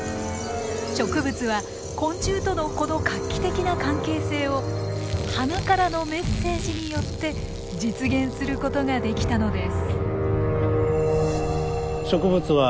植物は昆虫とのこの画期的な関係性を花からのメッセージによって実現することができたのです。